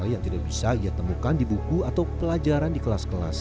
hal yang tidak bisa ia temukan dibuku atau pelajaran di kelas kelas